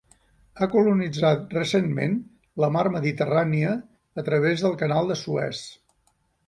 Ha colonitzat recentment la mar Mediterrània a través del Canal de Suez.